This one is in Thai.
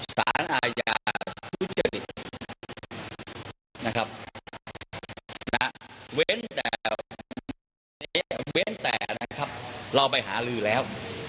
สารอายานะครับนะเว้นแต่นะครับเราไปหาลือแล้ว